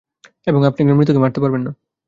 এবং আপনি একজন মৃতকে মারতে পারবেন না।